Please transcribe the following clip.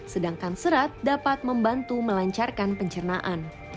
sedangkan serat dapat membantu melancarkan pencernaan